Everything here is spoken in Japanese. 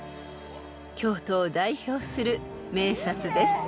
［京都を代表する名刹です］